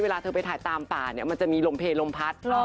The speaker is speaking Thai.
เวลาเธอไปถ่ายตามป่าเนี่ยมันจะมีลมเพลลมพัด